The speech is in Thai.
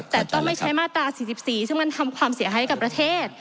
แต่ต้องไม่ใช้มาตรา๔๔ซึ่งมันทำความเสียหายกับประเทศ